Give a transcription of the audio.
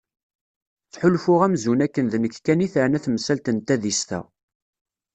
Ttḥulfuɣ amzun akken d nekk kan i teɛna temsalt n tadist-a.